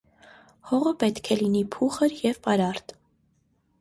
Հողը պետք է լինի փուխր և պարարտ։